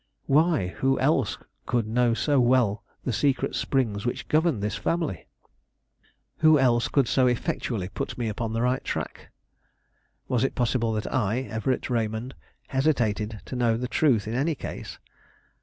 Why, who else could know so well the secret springs which governed this family? Who else could so effectually put me upon the right track? Was it possible that I, Everett Raymond, hesitated to know the truth in any case?